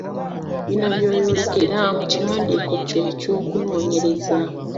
Bino by’oyolekera mu kiwandiiko kyo eky’okunoonyereza.